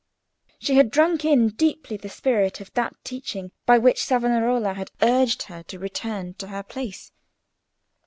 She had drunk in deeply the spirit of that teaching by which Savonarola had urged her to return to her place.